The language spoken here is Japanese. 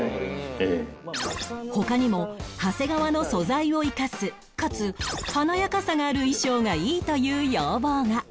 他にも長谷川の素材を生かすかつ華やかさがある衣装がいいという要望が